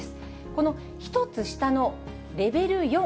この１つ下のレベル